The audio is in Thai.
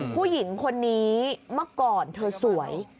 ผู้หญิงคนนี้เมื่อก่อนเธอสวย